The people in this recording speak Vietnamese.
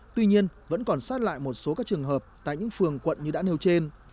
tuy nhiên vẫn còn sót lại một số các trường hợp tại những phường quận như đã nêu trên